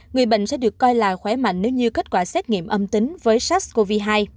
người bệnh sẽ được coi là khỏe mạnh nếu như kết quả xét nghiệm âm tính với sars cov hai